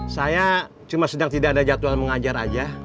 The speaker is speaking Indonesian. saya cuma sedang tidak ada jadwal mengajar aja